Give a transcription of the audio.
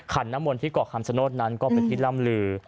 ขันน้ำมนตร์ที่เกาะคามสโนทนั้นก็เป็นที่ร่ำลือ